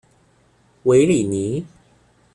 韦里尼。